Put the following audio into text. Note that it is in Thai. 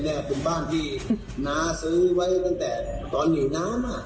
นี่คือบ้านที่น้าซื้อไว้ตั้งแต่ตอนหนีน้ำอ่ะ